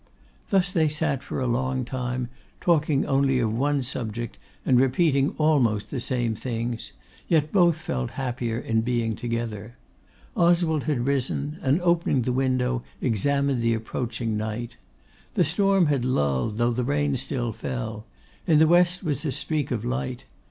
Thus they sat for a long time, talking only of one subject, and repeating almost the same things, yet both felt happier in being together. Oswald had risen, and opening the window, examined the approaching night. The storm had lulled, though the rain still fell; in the west was a streak of light.